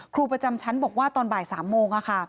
ครูประจำชั้นบอกว่าตอนบ่าย๓โมง